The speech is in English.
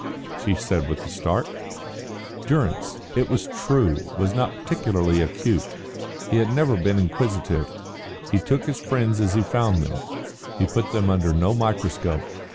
she said with a start. Durrance, it was true, was not particularly acute; he had never been inquisitive; he took his friends as he found them; he put them under no microscope.